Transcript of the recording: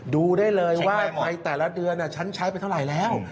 ดูได้เลยว่าในแต่ละเดือนฉันใช้ไปเท่าไหร่แล้ว